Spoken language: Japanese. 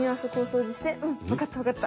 「うん分かった分かった」。